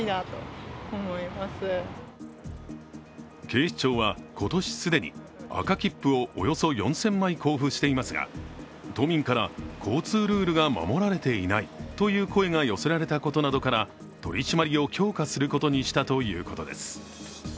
警視庁は今年既に赤切符をおよそ４０００枚交付していますが都民から交通ルールが守られていないという声が寄せられたことなどから取り締まりを強化することにしたということです。